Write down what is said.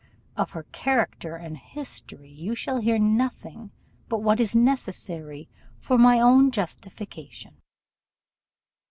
Of her character and history you shall hear nothing but what is necessary for my own justification.